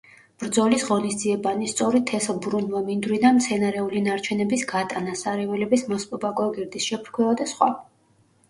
ბრძოლის ღონისძიებანი: სწორი თესლბრუნვა, მინდვრიდან მცენარეული ნარჩენების გატანა, სარეველების მოსპობა, გოგირდის შეფრქვევა და სხვა.